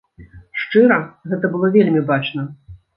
Шчыра, гэта было вельмі бачна.